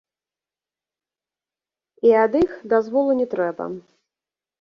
І ад іх дазволу не трэба.